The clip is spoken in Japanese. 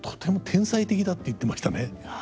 天才的だ」って言ってましたね。